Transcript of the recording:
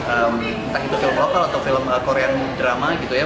entah itu film lokal atau film korean drama gitu ya